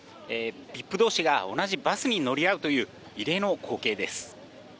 ＶＩＰ同士が同じバスに乗り合うという異例の光景です。